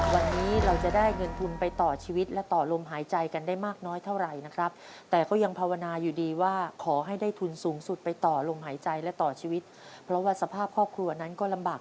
วันนี้เราจะได้เงินทุนไปต่อชีวิตและต่อลมหายใจกันได้มากน้อยเท่านะครับ